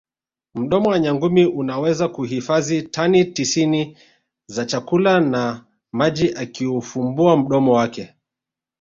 Mdomo wa nyangumi unaweza kuhifazi tani tisini za chakula na maji akiufumbua mdomo wake